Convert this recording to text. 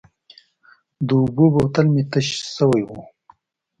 د اوبو بوتل مې تش شوی و.